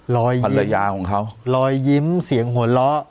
ภรรยาของเขารอยยิ้มเสียงหัวเราะ